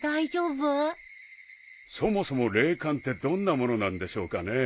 そもそも霊感ってどんなものなんでしょうかね。